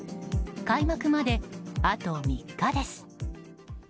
開幕まであと３日です。